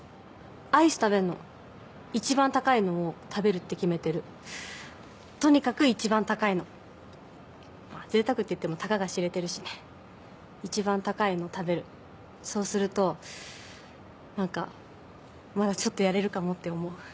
アイス食べんの一番高いのを食べるって決めてるとにかく一番高いの贅沢っていってもたかが知れてるしね一番高いの食べるそうするとなんかまだちょっとやれるかもって思う